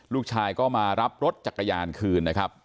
ลูกชายก็มารับรถจักรยานคืน